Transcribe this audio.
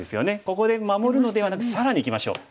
ここで守るのではなく更にいきましょう。